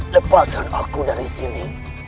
lepaskan aku dari sini